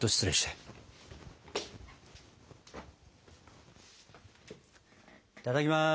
いただきます！